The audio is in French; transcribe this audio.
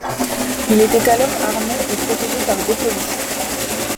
Il était alors armé et protégé par deux policiers.